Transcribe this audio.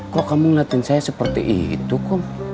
kok kamu ngeliatin saya seperti itu kok